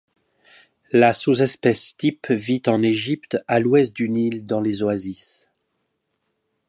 La sous-espèce type vit en Égypte à l'ouest du Nil dans les oasis.